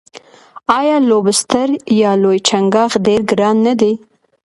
آیا لوبسټر یا لوی چنګاښ ډیر ګران نه دی؟